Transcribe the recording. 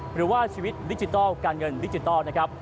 หรือว่าชีวิตดิจิทัลการเงินดิจิทัลนะครับ